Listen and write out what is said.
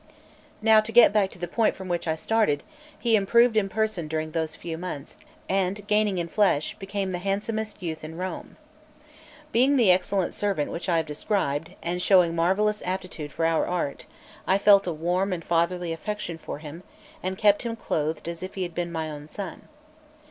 Now to go back to the point from which I started, he improved in person during those few months, and gaining in flesh, became the handsomest youth in Rome. Being the excellent servant which I have described, and showing marvellous aptitude for our art, I felt a warm and fatherly affection for him, and kept him clothed as if he had been my own son.